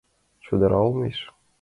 Чодыра олмеш